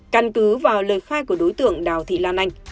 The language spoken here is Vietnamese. căn cứ vào lời khai của đối tượng đào thị lan anh